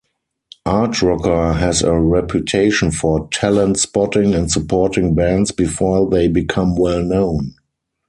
Artrocker has a reputation for talent-spotting and supporting bands before they become well known.